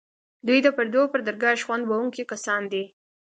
دوی د پردو پر درګاه شخوند وهونکي کسان دي.